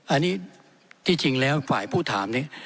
อันนี้ที่จริงแล้วฝ่ายผู้ถามนี้